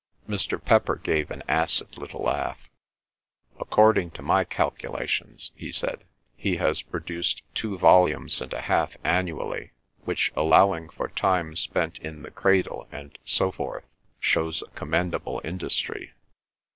Mr. Pepper gave an acid little laugh. "According to my calculations," he said, "he has produced two volumes and a half annually, which, allowing for time spent in the cradle and so forth, shows a commendable industry."